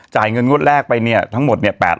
จ่ายเงินงวดแรกไปเนี่ยทั้งหมดเนี่ย๘ล้าน